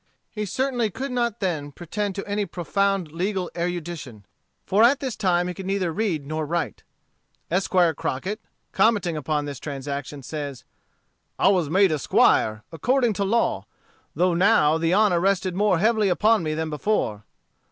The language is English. He certainly could not then pretend to any profound legal erudition, for at this time he could neither read nor write. Esquire Crockett, commenting upon this transaction, says, "I was made a Squire, according to law; though now the honor rested more heavily upon me than before.